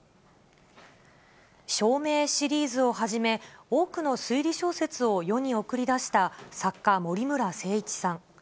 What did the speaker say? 証明シリーズをはじめ、多くの推理小説を世に送り出した作家、森村誠一さん。